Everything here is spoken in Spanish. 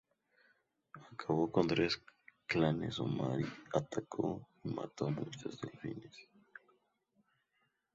Acabó con tres clanes Omar y atacó y mató a muchas delfines.